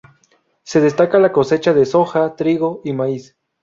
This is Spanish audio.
Se destaca la cosecha de soja, trigo y maíz.